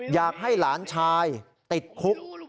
อยากให้หลานชายติดคุก